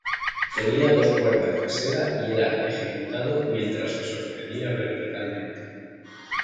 Tenía dos cuerdas de seda y era ejecutado mientras se sostenía verticalmente.